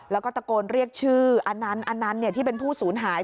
แล้วก็ตะโกนเรียกชื่ออันนั้นอันนั้นที่เป็นผู้สูญหาย